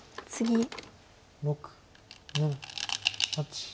６７８。